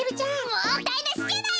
もうだいなしじゃない！